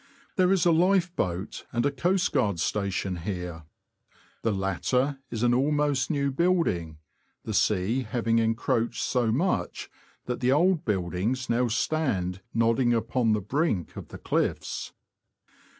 There is a lifeboat and a Coastguard Station here. The latter is an almost new building, the sea having encroached so much that the old buildings now stand nodding upon the brink of the cliffs.